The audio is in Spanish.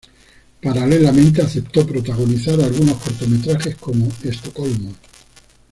Paralelamente aceptó protagonizar algunos cortometrajes como "Estocolmo".